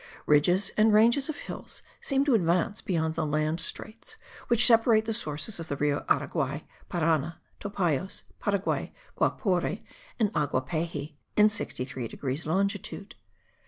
Ridges and ranges of hills seem to advance beyond the land straits which separate the sources of the Rio Araguay, Parana, Topayos, Paraguay, Guapore and Aguapehy, in 63 degrees longitude.